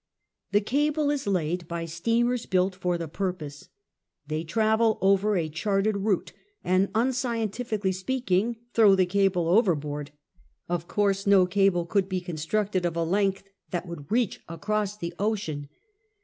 The cable is laid by steamers built for the purpose. They travel over a charted route, and, unscientifically speaking, throw the cable overboard. Of course, no cable could be constructed of a length that would reach across the ocean.